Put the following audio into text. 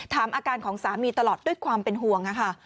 ถามอาการของสามีตลอดด้วยความเป็นห่วงค่ะ